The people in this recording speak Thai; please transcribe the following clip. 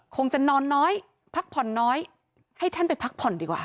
คงจะนอนน้อยพักผ่อนน้อยให้ท่านไปพักผ่อนดีกว่า